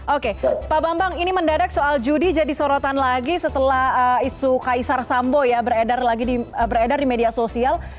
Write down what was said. oke pak bambang ini mendadak soal judi jadi sorotan lagi setelah isu kaisar sambo ya beredar di media sosial